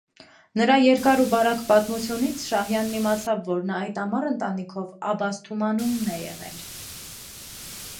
Նրա երկար ու բարակ պատմությունից Շահյանն իմացավ, որ նա այդ ամառ ընտանիքով Աբասթումանումն է եղել.